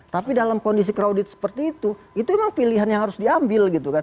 tapi dalam kondisi crowded seperti itu itu memang pilihan yang harus diambil gitu kan